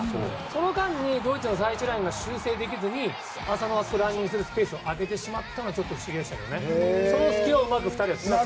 その間にドイツの最終ラインが修正できずに浅野のランニングするスペースを空けてしまったのが不思議でしたね。